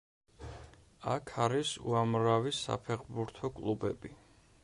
აქ არის უამრავი საფეხბურთო კლუბები.